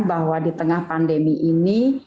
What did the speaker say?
bahwa di tengah pandemi ini